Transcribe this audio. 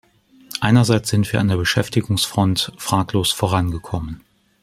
Einerseits sind wir an der Beschäftigungsfront fraglos vorangekommen.